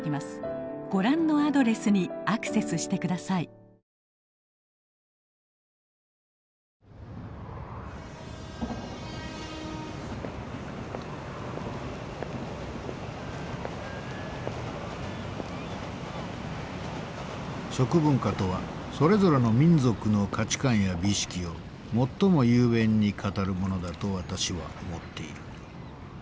ご覧のアドレスにアクセスして下さい食文化とはそれぞれの民族の価値観や美意識を最も雄弁に語るものだと私は思っている。